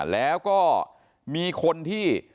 แล้วก็มีคนที่